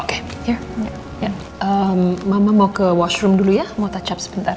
oke mama mau ke washroom dulu ya mau touch up sebentar